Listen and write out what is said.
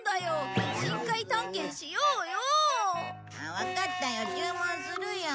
わかったよ注文するよ。